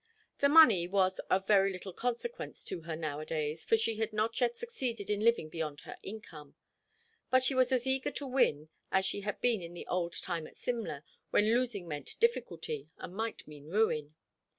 The money was of very little consequence to her nowadays, for she had not yet succeeded in living beyond her income; but she was as eager to win as she had been in the old time at Simla when losing meant difficulty, and might mean ruin.